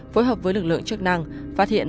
phối hợp với lực lượng chức năng phát hiện